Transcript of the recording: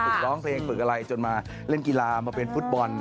ร้องเพลงฝึกอะไรจนมาเล่นกีฬามาเป็นฟุตบอล